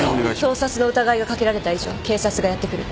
盗撮の疑いが掛けられた以上警察がやって来る。